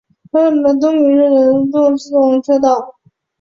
东名阪自动车道。